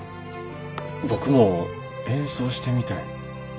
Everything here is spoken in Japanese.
僕も演奏してみたい。